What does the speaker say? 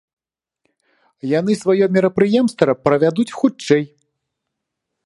Яны сваё мерапрыемства правядуць хутчэй.